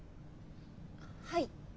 はい。